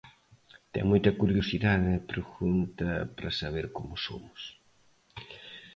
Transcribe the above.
Ten moita curiosidade e pregunta para saber como somos.